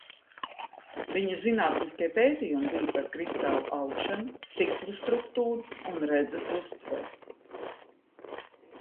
Viņa zinātniskie pētījumi bija par kristālu augšanu, stikla struktūru un redzes uztveri.